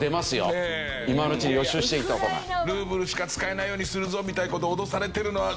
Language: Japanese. ルーブルしか使えないようにするぞみたいな事を脅されてるのは。